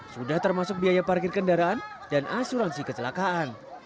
sudah termasuk biaya parkir kendaraan dan asuransi kecelakaan